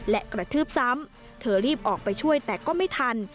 และกระทืบซ้ำเธอรีบออกไปช่วยแต่ก็ไม่ทัน